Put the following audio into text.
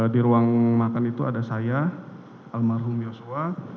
di ruang makan itu ada saya almarhum yosua